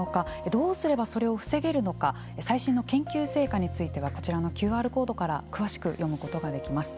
どうすれば、それを防げるのか最新の研究成果についてはこちらのＱＲコードから詳しく読むことができます。